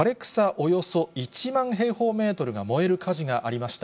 およそ１万平方メートルが燃える火事がありました。